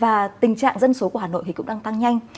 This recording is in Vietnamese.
và tình trạng dân số của hà nội cũng đang tăng nhanh